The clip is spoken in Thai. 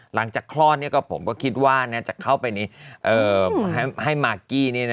หลังจากคลอดผมก็คิดว่าจะเข้าไปให้มากกี้